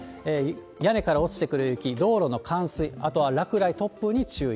屋根から落ちてくる雪、道路の冠水、あとは落雷、突風に注意。